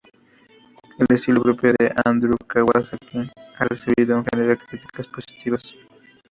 El estilo propio de Audrey Kawasaki ha recibido, en general, críticas positivas.